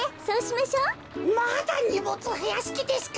まだにもつふやすきですか。